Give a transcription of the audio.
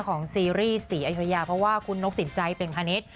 ของซีรีส์ศรีอัยยยาเพราะว่าคุณนกสินใจเป็นพนิษฐ์